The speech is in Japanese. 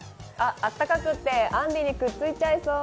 あったかくってあんりにくっついちゃいそう。